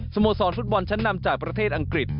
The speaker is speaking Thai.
โมสรฟุตบอลชั้นนำจากประเทศอังกฤษ